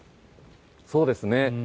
そうですね。